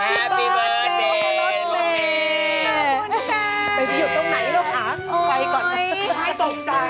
แฮปปี้เบิร์ทเดย์พอล็อตเม่ย์